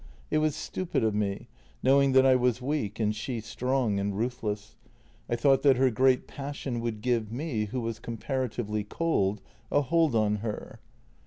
It was stupid of me, knowing that I was weak and she strong and JENNY 157 ruthless. I thought that her great passion would give me, who was comparatively cold, a hold on her.